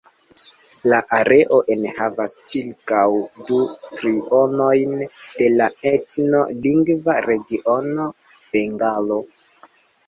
La areo enhavas ĉirkaŭ du trionojn de la etno-lingva regiono Bengalo.